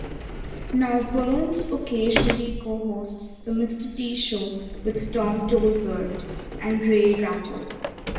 Now Byrnes occasionally co-hosts the Mr. T. show with Tom Tolbert, and Ray Ratto.